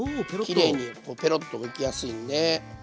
きれいにペロッとむきやすいんで。